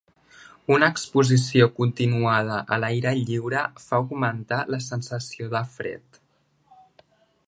Una exposició continuada a l'aire lliure fa augmentar la sensació de fred.